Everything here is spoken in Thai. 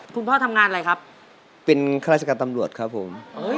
คุณพ่อทำงานอะไรครับเป็นข้าราชการตำรวจครับผม